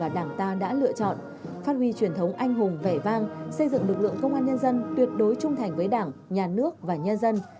đảng ta đã lựa chọn phát huy truyền thống anh hùng vẻ vang xây dựng lực lượng công an nhân dân tuyệt đối trung thành với đảng nhà nước và nhân dân